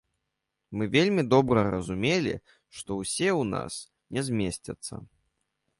Мы вельмі добра разумелі, што ўсе ў нас не змесцяцца.